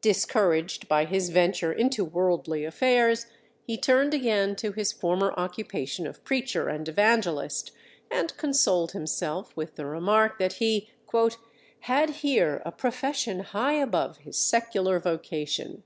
Discouraged by his venture into worldly affairs, he turned again to his former occupation of preacher and evangelist, and consoled himself with the remark that he "had here a profession high above his secular vocation."